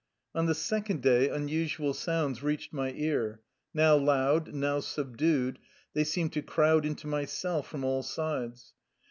On the second day unusual sounds reached my ear; now loud, now subdued, they seemed to crowd into my cell from all sides.